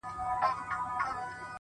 • ما مي په تحفه کي وزرونه درته ایښي دي ,